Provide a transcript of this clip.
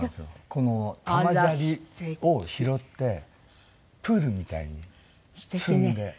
この玉砂利を拾ってプールみたいに積んで。